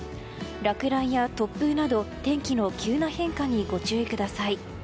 落雷や突風など天気の急な変化にご注意ください。